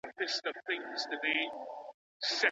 د قلم سم نیول د ښې لیکني شرط دی.